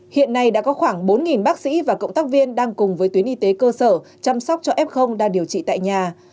hiện nay đã có khoảng bốn bác sĩ và cộng tác viên đang cùng với tuyến y tế cơ sở chăm sóc cho f đang điều trị tại nhà